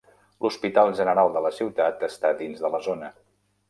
L'hospital general de la ciutat està dins de la zona.